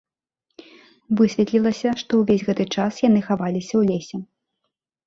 Высветлілася, што ўвесь гэты час яны хаваліся ў лесе.